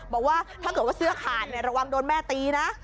บอกว่าถ้าเกิดว่าเสื้อขาดระวังโดนแม่ตีนะ